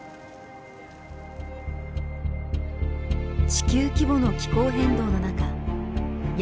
地球規模の気候変動の中山